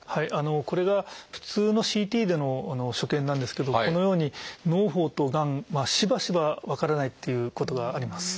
これが普通のＣＴでの所見なんですけどこのようにのう胞とがんしばしば分からないっていうことがあります。